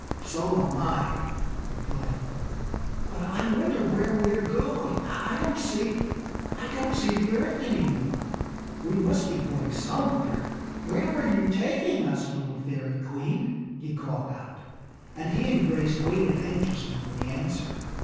"So am I," replied her brother, "but I wonder where we are going. I don't see the earth any more; we must be going somewhere. Where are you taking us, little Fairy Queen?" he called out, and he and Grace waited anxiously for the answer.